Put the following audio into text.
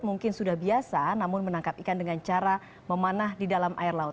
mungkin sudah biasa namun menangkap ikan dengan cara memanah di dalam air laut